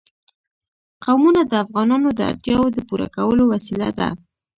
قومونه د افغانانو د اړتیاوو د پوره کولو وسیله ده.